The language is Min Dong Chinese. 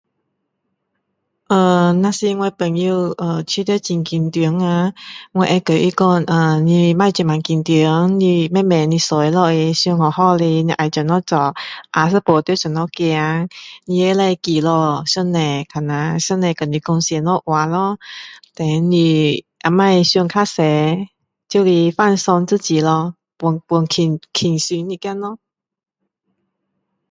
呃如果我朋友呃觉得很紧张呀我会跟她讲呃妳不要这么紧张妳慢慢的坐下来想好好的妳要怎样做下一步要怎样走你也可以祈祷上帝看下上帝跟你讲什么话咯 then 你也不要想太多就是放松自己咯放轻轻松一点咯